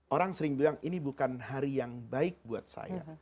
orang sering bilang ini bukan hari yang baik buat saya